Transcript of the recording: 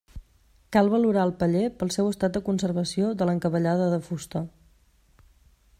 Cal valorar el paller pel seu estat de conservació de l'encavallada de fusta.